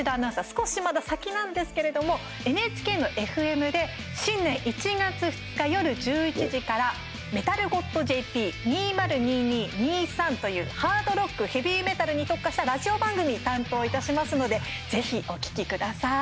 少しまだ先なんですけれどもＮＨＫのＦＭで新年１月２日、夜１１時から「メダルゴッドＪＰ２０２２−２３」というハードロック、ヘビーメタルに特化したラジオ番組担当いたしますのでぜひ、お聞きください。